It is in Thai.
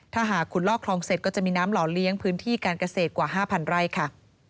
ถ้าหากคุณลอกคลองเสร็จก็จะมีน้ำหล่อเลี้ยงพื้นที่การเกษตรกว่า๕๐๐ไร่ค่ะ